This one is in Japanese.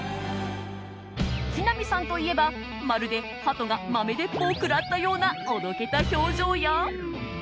木南さんといえば、まるでハトが豆鉄砲を食らったようなおどけた表情や。